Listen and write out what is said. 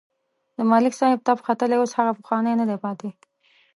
د ملک صاحب تپ ختلی اوس هغه پخوانی نه دی پاتې.